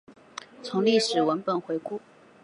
从历史文本回顾